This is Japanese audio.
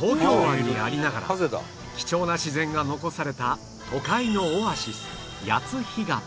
東京湾にありながら貴重な自然が残された都会のオアシス谷津干潟